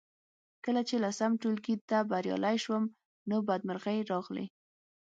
کله چې لسم ټولګي ته بریالۍ شوم نو بدمرغۍ راغلې